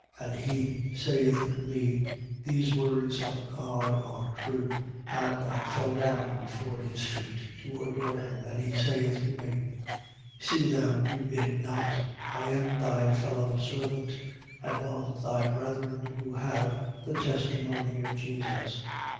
And he saith to me: These words of God are true. 19:10. And I fell down before his feet, to adore him. And he saith to me: See thou do it not. I am thy fellow servant and of thy brethren who have the testimony of Jesus.